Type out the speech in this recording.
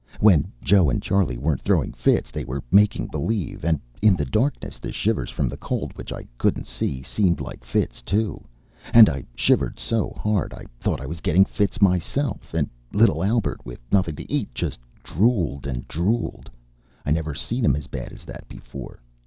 When Joe and Charley weren't throwing fits they were making believe, and in the darkness the shivers from the cold which I couldn't see seemed like fits, too. And I shivered so hard I thought I was getting fits myself. And little Albert, with nothing to eat, just drooled and drooled. I never seen him as bad as that before.